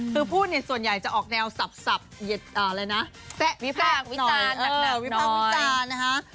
คือพูดส่วนใหญ่จะออกแนวสับเสะวิภาควิจารณ์หนักหน่อย